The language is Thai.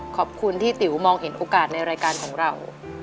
ขอบคุณที่ติ๋วมองเห็นโอกาสในรายการของเรา